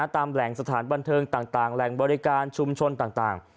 ตามแหล่งสถานบันเทิงต่างแหล่งบริการชุมชนต่าง